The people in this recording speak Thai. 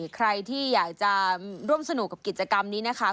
ใครที่อยากจะร่วมสนุกกับกิจกรรมนี้นะคะ